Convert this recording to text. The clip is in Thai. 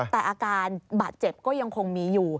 แต่อาการบาดเจ็บก็ยังคงมีอยู่